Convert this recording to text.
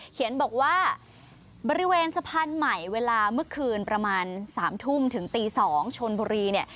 เขียนบอกว่าบริเวณสะพานใหม่เวลาเมื่อคืนประมาณ๓ทุ่มถึงตี๒ชนบุรีเนี่ย